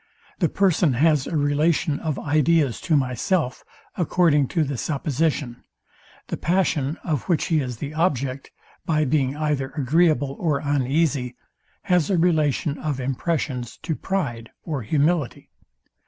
The person has a relation of ideas to myself, according to the supposition; the passion, of which he is the object, by being either agreeable or uneasy, has a relation of impressions to pride or humility.